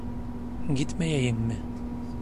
Gitmeyeyim mi?